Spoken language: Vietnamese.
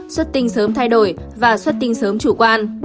xuất tinh sớm thay đổi và xuất tinh sớm chủ quan